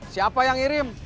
siapa yang irim